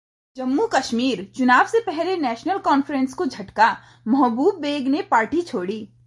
जम्मू-कश्मीर: चुनाव से पहले नेशनल कॉन्फ्रेंस को झटका, महबूब बेग ने पार्टी छोड़ी